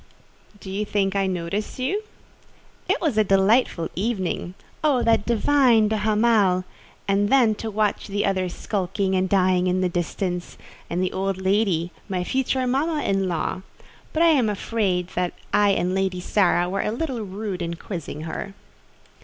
"Do you think I noticed you?" "It was a delightful evening. Oh, that divine de Hamal! And then to watch the other sulking and dying in the distance; and the old lady—my future mamma in law! But I am afraid I and Lady Sara were a little rude in quizzing her."